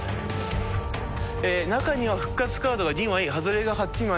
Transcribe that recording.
中には復活カードが２枚ハズレが８枚。